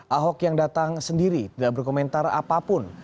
ahok yang datang sendiri tidak berkomentar apapun